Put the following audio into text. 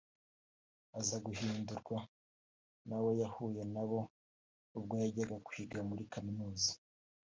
aza guhindurwa n’abo yahuye nabo ubwo yajyaga kwiga muri Kaminuza